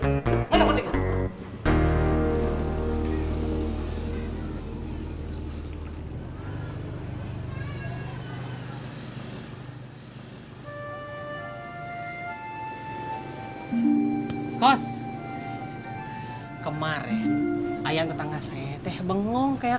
kau nguruskan upsetnya teg